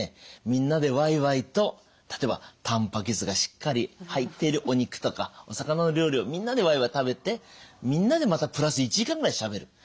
みんなでわいわいと例えばたんぱく質がしっかり入っているお肉とかお魚の料理をみんなでわいわい食べてみんなでまたプラス１時間ぐらいしゃべる。